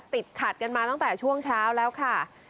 ติดขัดกันมาตั้งแต่ช่วงเช้าแล้วค่ะ